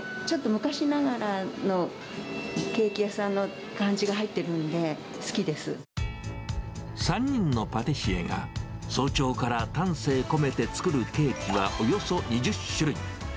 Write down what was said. ちょっと昔ながらのケーキ屋さんの感じが入ってるんで好きで３人のパティシエが、早朝から丹精込めて作るケーキはおよそ２０種類。